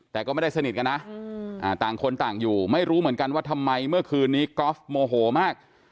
แต่ก็ไม่ได้สนิทกันนะต่างคนต่างอยู่ไม่รู้เหมือนกันว่าทำไมเมื่อคืนนี้กอล์ฟโมโหมาก